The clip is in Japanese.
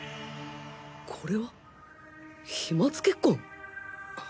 これは飛沫血痕！？